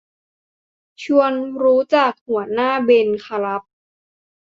ชวนรู้จักหัวหน้าเบนครับ